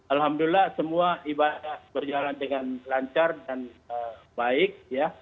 alhamdulillah semua ibadah berjalan dengan lancar dan baik ya